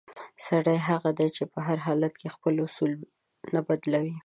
سړی هغه دی چې په هر حالت کې خپل اصول نه بدلوي.